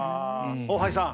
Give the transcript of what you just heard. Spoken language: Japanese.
大橋さん